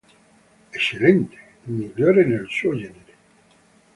Eccellente, il migliore nel suo genere.